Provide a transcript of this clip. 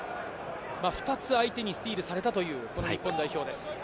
２つ相手にスティールされたという日本代表です。